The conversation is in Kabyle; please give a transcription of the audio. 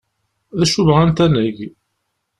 D acu bɣant ad neg?